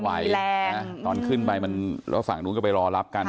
พอยกมันไว้ตอนขึ้นไปมันแล้วฝั่งนู้นก็ไปรอรับกัน